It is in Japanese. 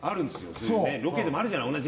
ロケでもあるじゃないですか。